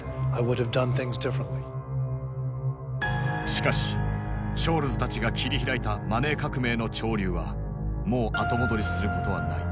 しかしショールズたちが切り開いたマネー革命の潮流はもう後戻りすることはない。